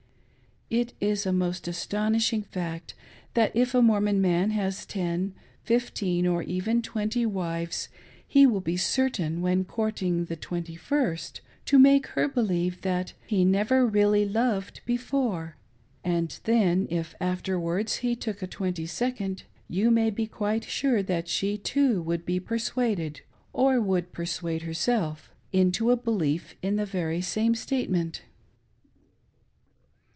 It is a most astonishing fact, that if a Mormon man has ten, fifteen, or even twenty wives, he will be certain, when courting the twenty first, to make her believe that "he never really loved before;" and then, if afterwards he took a twenty second, you may be quite sure that she too would be persuaded, or would persuade herself, into a belief in the very same statement.